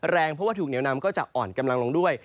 แรงเพราะว่าถูกเหนียวนำก็จะอ่อนกำลังลงด้วย